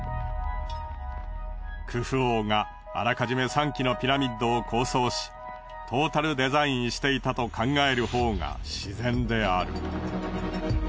クフ王があらかじめ３基のピラミッドを構想しトータルデザインしていたと考えるほうがしぜんである。